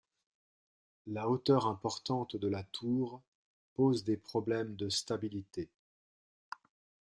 La hauteur importante de la tour pose des problèmes de stabilité.